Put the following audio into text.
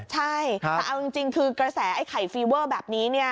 ใช่แต่เอาจริงคือกระแสไอ้ไข่ฟีเวอร์แบบนี้เนี่ย